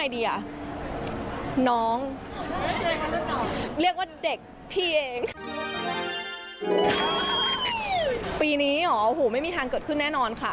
ปีนี้เหรอโอ้โหไม่มีทางเกิดขึ้นแน่นอนค่ะ